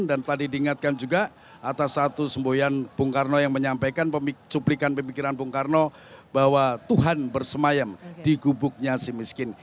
dan tadi diingatkan juga atas satu sembohan bung karno yang menyampaikan cuplikan pemikiran bung karno bahwa tuhan bersemayam di gubuknya si miskin